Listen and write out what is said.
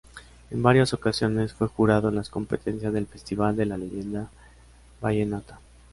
En varias ocasiones fue jurado en las competencias del Festival de la Leyenda Vallenata.